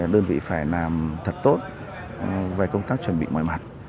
đơn vị phải làm thật tốt về công tác chuẩn bị mọi mặt